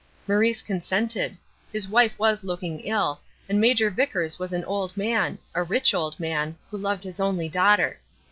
Maurice consented. His wife was looking ill, and Major Vickers was an old man a rich old man who loved his only daughter.